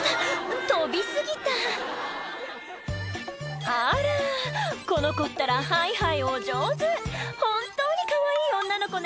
飛び過ぎた「あらこの子ったらハイハイお上手」「本当にかわいい女の子ね」